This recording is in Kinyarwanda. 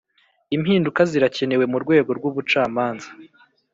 Impinduka zirakenewe mu rwego rw’ ubucamanza